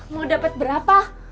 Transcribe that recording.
mau dapet berapa